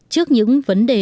trước những vấn đề